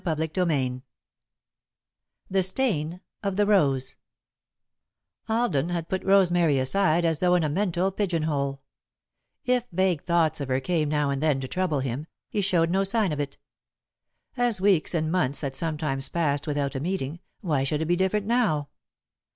XIII The Stain of the Rose [Sidenote: Put Aside] Alden had put Rosemary aside as though in a mental pigeon hole. If vague thoughts of her came now and then to trouble him, he showed no sign of it. As weeks and months had sometimes passed without a meeting, why should it be different now?